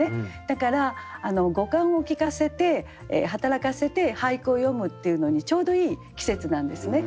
だから五感をきかせて働かせて俳句を詠むっていうのにちょうどいい季節なんですね。